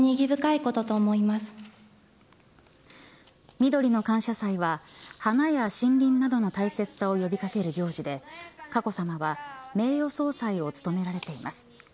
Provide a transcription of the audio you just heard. みどりの感謝祭は花や森林などの大切さを呼び掛ける行事で佳子さまは名誉総裁を務められています。